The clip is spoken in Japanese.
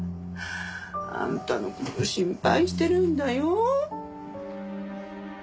あんたの事心配してるんだよ。